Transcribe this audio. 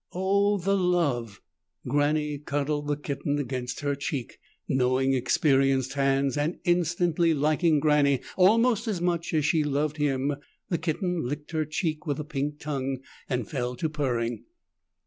"Oh, the love!" Granny cuddled the kitten against her cheek. Knowing experienced hands and instantly liking Granny almost as much as she loved him, the kitten licked her cheek with a pink tongue and fell to purring.